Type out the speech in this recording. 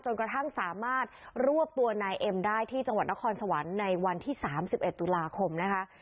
กระทั่งสามารถรวบตัวนายเอ็มได้ที่จังหวัดนครสวรรค์ในวันที่๓๑ตุลาคมนะคะ